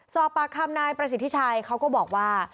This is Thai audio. สอบปากคำนายประสิทธิชัยเขาก็บอกว่า